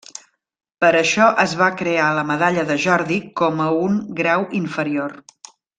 Per això es va crear la Medalla de Jordi com a un grau inferior.